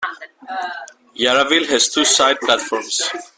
Yarraville has two side platforms.